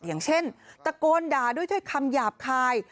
อย่างเช่นตะโกนด่าด้วยถ้อยคำหยาบคาย